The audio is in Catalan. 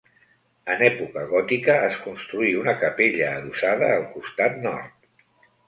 En època gòtica es construí una capella adossada al costat nord.